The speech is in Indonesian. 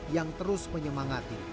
yang terus menyemangati